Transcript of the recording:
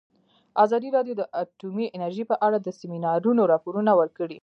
ازادي راډیو د اټومي انرژي په اړه د سیمینارونو راپورونه ورکړي.